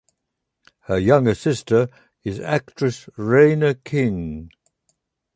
Her younger sister is actress Reina King.